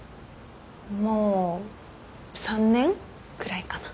もう３年くらいかな。